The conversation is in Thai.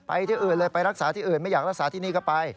ที่อื่นเลยไปรักษาที่อื่นไม่อยากรักษาที่นี่ก็ไป